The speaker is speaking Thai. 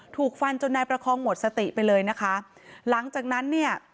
ถูกฟันจนนายประคองหมดสติไปเลยนะคะหลังจากนั้นเนี่ย